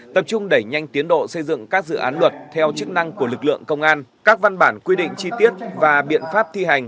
tập trung đẩy nhanh tiến độ xây dựng các dự án luật theo chức năng của lực lượng công an các văn bản quy định chi tiết và biện pháp thi hành